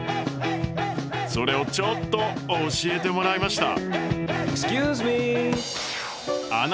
それをちょっと教えてもらいました。